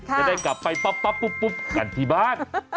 จะได้กลับไปปั๊บปุ๊บกันที่บ้าน